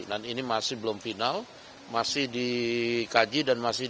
ini masih belum final masih dikaji dan masih